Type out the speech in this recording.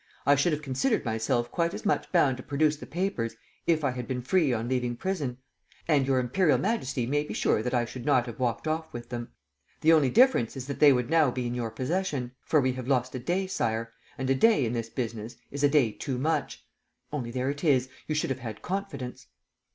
I should have considered myself quite as much bound to produce the papers if I had been free on leaving prison; and Your Imperial Majesty may be sure that I should not have walked off with them. The only difference is that they would now be in your possession. For we have lost a day, Sire. And a day, in this business ... is a day too much. ... Only, there it is, you should have had confidence."